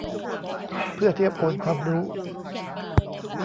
เพื่อเทียบโอนความรู้